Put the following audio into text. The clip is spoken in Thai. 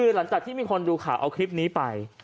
หลังจากที่มีคนดูข่าวเอาคลิปนี้ไป